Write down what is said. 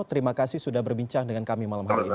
terima kasih sudah berbincang dengan kami malam hari ini